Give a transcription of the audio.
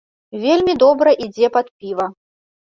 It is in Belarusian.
Вельмі добра ідзе пад піва.